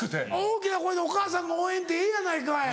大きな声でお母さんが応援ってええやないかい。